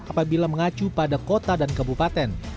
apabila mengacu pada kota dan kabupaten